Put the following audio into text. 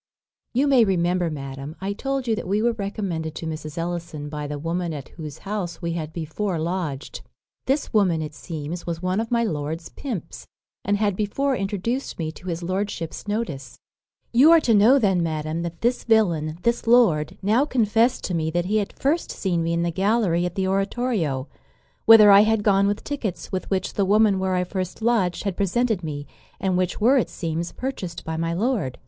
"You may remember, madam, I told you that we were recommended to Mrs. Ellison by the woman at whose house we had before lodged. This woman, it seems, was one of my lord's pimps, and had before introduced me to his lordship's notice. "You are to know then, madam, that this villain, this lord, now confest to me that he had first seen me in the gallery at the oratorio, whither I had gone with tickets with which the woman where I first lodged had presented me, and which were, it seems, purchased by my lord.